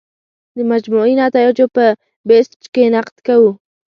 د مجموعي نتایجو په بیسج کې نقد کوو.